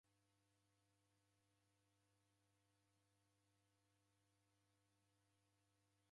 Kupata kila kilambo madukenyi kwanona w'ujuzi ghobuni